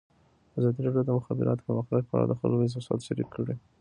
ازادي راډیو د د مخابراتو پرمختګ په اړه د خلکو احساسات شریک کړي.